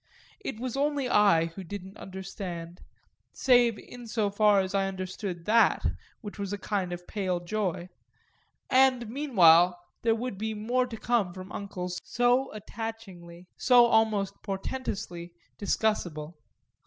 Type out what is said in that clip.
It was only I who didn't understand save in so far as I understood that, which was a kind of pale joy; and meanwhile there would be more to come from uncles so attachingly, so almost portentously, discussable.